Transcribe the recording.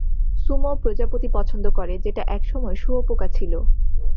Sumo প্রজাপতি পছন্দ করে যেটা একসময় শুয়োপোকা ছিল।